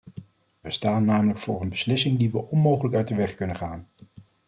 We staan namelijk voor een beslissing die we onmogelijk uit de weg kunnen gaan.